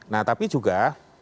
nah tapi juga